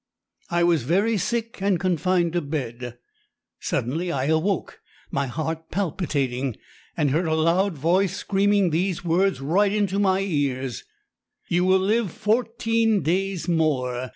I was very sick and confined to bed. Suddenly I awoke, my heart palpitating, and heard a loud voice screaming these words right into my ears: 'You will live fourteen days more!